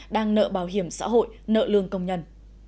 đang nợ bảo hiểm xã hội nợ lương công nhân